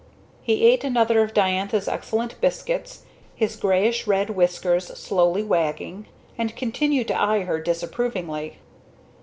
He ate another of Diantha's excellent biscuits, his greyish red whiskers slowly wagging; and continued to eye her disapprovingly.